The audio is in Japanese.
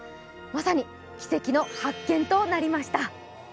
まさに奇跡の発見となりました。